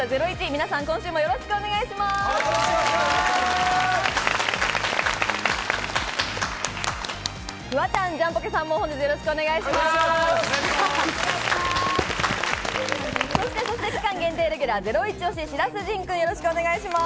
皆さん、今週もよろしくお願いします。